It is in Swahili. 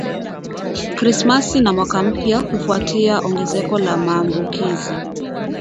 Krismasi na mwaka mpya kufuatia ongezeko la maambukizi